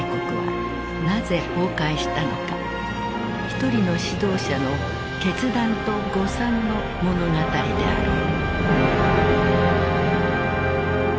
一人の指導者の決断と誤算の物語である。